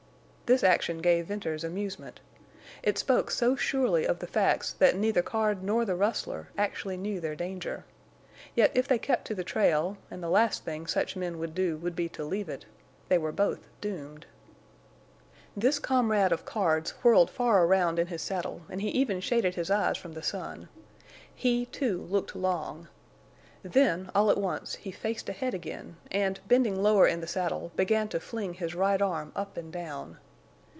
This action gave Venters amusement. It spoke so surely of the facts that neither Card nor the rustler actually knew their danger. Yet if they kept to the trail—and the last thing such men would do would be to leave it—they were both doomed. This comrade of Card's whirled far around in his saddle, and he even shaded his eyes from the sun. He, too, looked long. Then, all at once, he faced ahead again and, bending lower in the saddle, began to fling his right arm up and down.